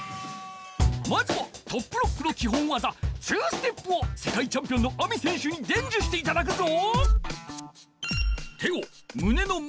まずはトップロックのきほんわざ２ステップをせかいチャンピオンのＡＭＩ選手にでんじゅしていただくぞ！